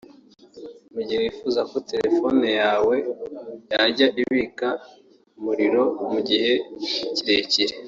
Mu gihe wifuza ko telephone yawe yajya ibika umuriro mu gihe kirekire